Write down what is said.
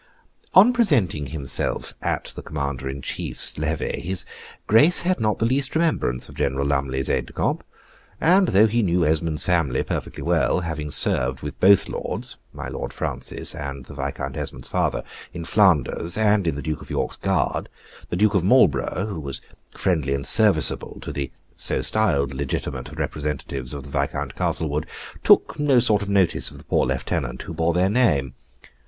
On presenting himself at the Commander in Chief's levee, his Grace had not the least remembrance of General Lumley's aide de camp, and though he knew Esmond's family perfectly well, having served with both lords (my Lord Francis and the Viscount Esmond's father) in Flanders, and in the Duke of York's Guard, the Duke of Marlborough, who was friendly and serviceable to the (so styled) legitimate representatives of the Viscount Castlewood, took no sort of notice of the poor lieutenant who bore their name.